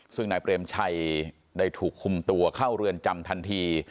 ซึ่งนายเปรมชัยได้ถูกคุมตัวเข้าเรือนจำทันที